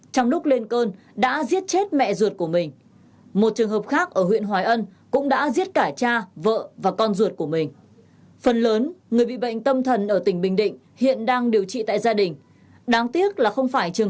trong lúc anh trung đang làm việc thì bệnh nhân tâm thần luôn là mối họa cho cộng đồng kể cả người thân